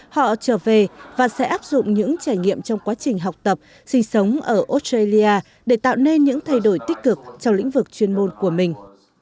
họ trở về và sẽ áp dụng những trải nghiệm trong quá trình học tập sinh sống ở australia để tạo nên những thay đổi tích cực trong lĩnh vực chuyên môn của mình